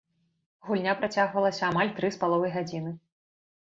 Гульня працягвалася амаль тры з паловай гадзіны.